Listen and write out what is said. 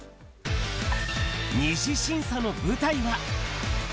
２次審査の舞台は。